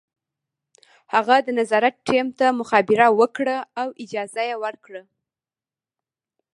هغه د نظارت ټیم ته مخابره وکړه او اجازه یې ورکړه